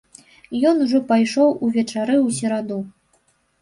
Ён ужо пайшоў увечары ў сераду.